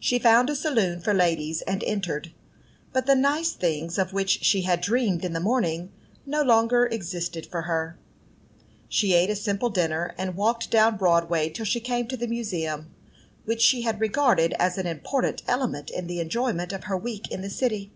She found a saloon for ladies, and entered; but the nice things of which she had dreamed in the morning no longer existed for her. She ate a simple dinner, and walked down Broadway till she came to the Museum, which she had regarded as an important element in the enjoyment of her week in the city.